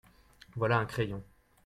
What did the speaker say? Voilà un crayon.